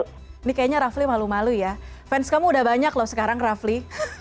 ini kayaknya rafli malu malu ya fans kamu udah banyak loh sekarang rafli